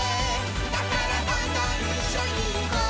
「だからどんどんいっしょにいこう」